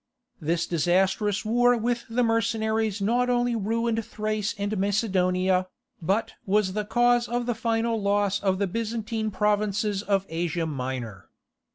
This disastrous war with the mercenaries not only ruined Thrace and Macedonia, but was the cause of the final loss of the Byzantine provinces of Asia Minor.